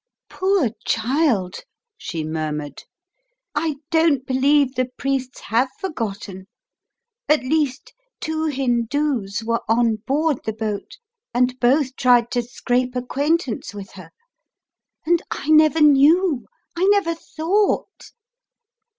"Poor child!" she murmured. "I don't believe the priests have forgotten. At least, two Hindoos were on board the boat, and both tried to scrape acquaintance with her. And I never knew! I never thought.